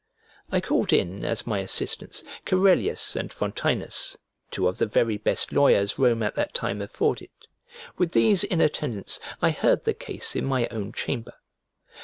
I called in, as my assistants, Corellius and Frontinus, two of the very best lawyers Rome at that time afforded. With these in attendance, I heard the case in my own chamber.